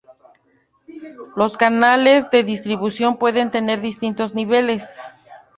Los canales de distribución pueden tener distintos niveles.